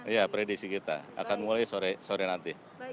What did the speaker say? ya predisi kita akan mulai sore nanti